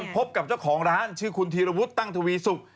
พบกับเจ้าของร้านชื่อคุณธีรวุฒิตั้งทวีสุก